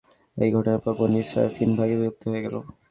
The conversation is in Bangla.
এই ঘটনার পর বনী ইসরাঈল তিন ভাগে বিভক্ত হয়ে পড়ল।